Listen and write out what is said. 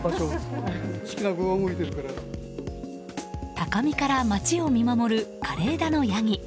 高みから町を見守る枯れ枝のヤギ。